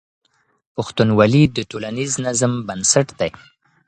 پښتونولي د ټولنیز نظم بنسټ دی.